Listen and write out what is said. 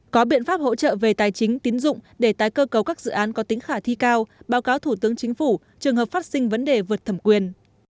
có biện pháp hỗ trợ về tài chính tín dụng để tái cơ cấu các dự án có tính khả thi cao báo cáo thủ tướng chính phủ trường hợp phát sinh vấn đề vượt thẩm quyền